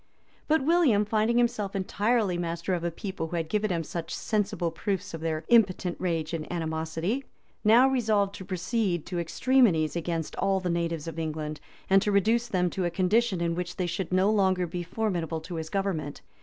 But William, finding himself entirely master of a people who had given him such sensible proofs of their impotent rage and animosity, now resolved to proceed to extremities against all the natives of England; and to reduce them to a condition in which they should no longer be formidable to his government.